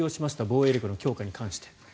防衛力の強化に関して。